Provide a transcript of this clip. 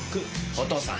お義父さん